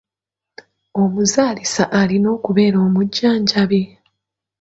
Omuzaalisa alina okubeera omujjanjabi?